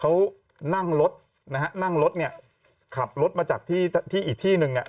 เขานั่งรถนะฮะนั่งรถเนี่ยขับรถมาจากที่ที่อีกที่หนึ่งอ่ะ